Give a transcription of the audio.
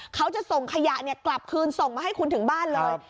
เขาจะส่งขยะกลับคืนส่งมาให้คุณถึงบ้านเลย